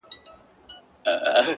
هم داسي ستا دا گل ورين مخ ـ